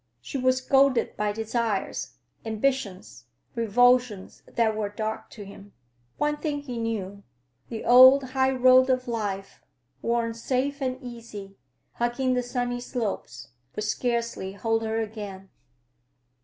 She was goaded by desires, ambitions, revulsions that were dark to him. One thing he knew: the old highroad of life, worn safe and easy, hugging the sunny slopes, would scarcely hold her again.